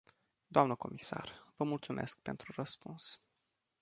Doamnă comisar, vă mulțumesc pentru răspuns.